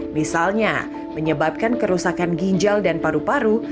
misalnya menyebabkan kerusakan ginjal dan paru paru